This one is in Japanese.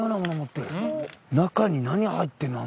中に何入ってるの？